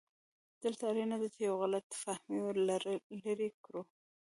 دلته اړینه ده چې یو غلط فهمي لرې کړو.